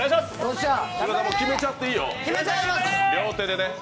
決めちゃっていいよ両手でね。